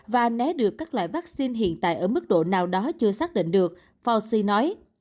và nế được các loại vắc xin hiện tại ở mức độ nào đó chưa xác định được fauci nói